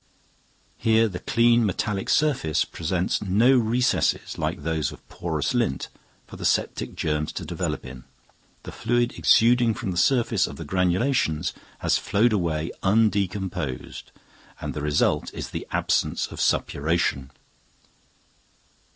Here the clean metallic surface presents no recesses like those of porous lint for the septic germs to develope in, the fluid exuding from the surface of the granulations has flowed away undecomposed, and the result is the absence of suppuration.